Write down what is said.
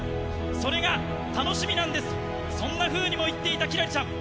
それが楽しみなんです、そんなふうにも言っていた輝星ちゃん。